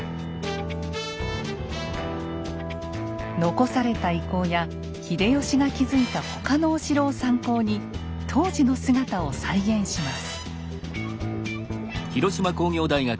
残された遺構や秀吉が築いた他のお城を参考に当時の姿を再現します。